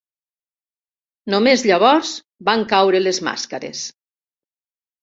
Només llavors van caure les màscares.